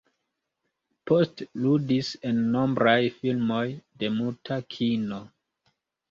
Post ludis en nombraj filmoj de muta kino.